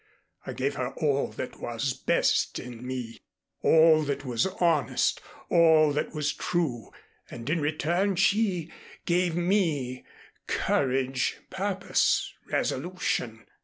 I gave her all that was best in me, all that was honest, all that was true, and in return she gave me courage, purpose, resolution.